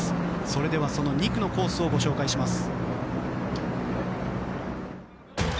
それでは２区のコースをご紹介します。